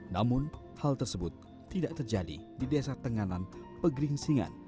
namun hal tersebut tidak terjadi di desa tenganan pegeringsingan